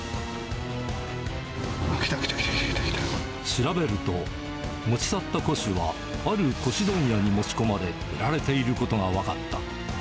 調べると、持ち去った古紙はある古紙問屋に持ち込まれ、売られていることが分かった。